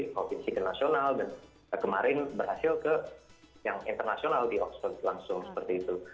provinsi ke nasional dan kemarin berhasil ke yang internasional di oxford langsung seperti itu